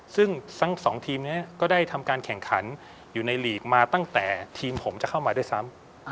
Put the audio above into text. ซึ่งทั้งสองทีมนี้ก็ได้ทำการแข่งขันอยู่ในลีกมาตั้งแต่ทีมผมจะเข้ามาด้วยซ้ำ